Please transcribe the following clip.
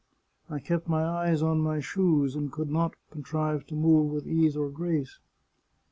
I kept my eyes on my shoes, and could not contrive to move with ease or grace.